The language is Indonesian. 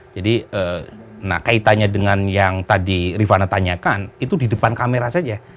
jadi nah kaitannya dengan yang tadi rifana tanyakan itu di depan kamera saja